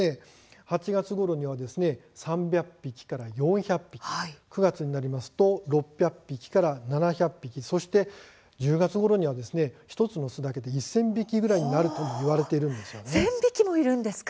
８月ごろには３００匹から４００匹９月になると６００匹から７００匹そして１０月ごろには１つの巣だけで１０００匹ぐらいになると１０００匹もいるんですか。